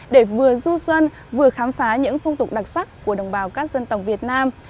để vừa du xuân vừa khám phá những phong tục đặc sắc của đồng bào các dân tộc việt nam